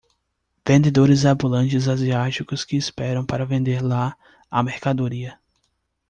vendedores ambulantes asiáticos que esperam para vender lá a mercadoria.